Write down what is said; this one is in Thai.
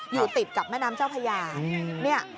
อยู่ติดกับแม่น้ำเจ้าพญา